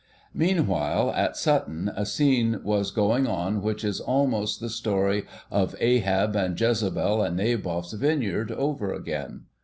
Meanwhile, at Sutton, a scene was going on which is almost the story of Ahab and Jezebel and Naboth's vineyard over again.